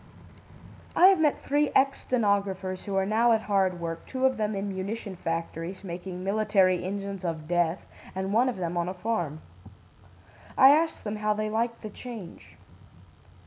"I have met three ex stenographers who now are at hard work, two of them in munition factories (making military engines of death) and one of them on a farm. I asked them how they liked the change.